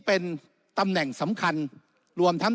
แต่การเลือกนายกรัฐมนตรี